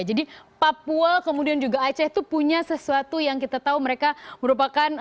jadi papua kemudian juga aceh itu punya sesuatu yang kita tahu mereka merupakan